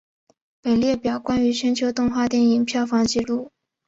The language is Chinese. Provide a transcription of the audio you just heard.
本列表关于全球动画电影票房纪录。